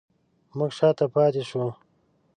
موږ شاته پاتې شوو